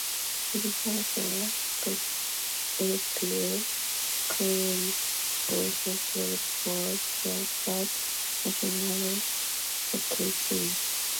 His father Roepie Kruize also played for the Dutch national hockey team.